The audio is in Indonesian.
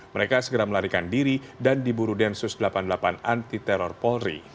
mereka segera melarikan diri dan diburu densus delapan puluh delapan anti teror polri